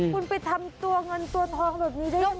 คุณไปทำตัวเงินตัวทองแบบนี้ได้ยังไง